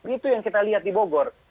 itu yang kita lihat di bogor